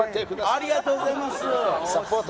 ありがとうございます。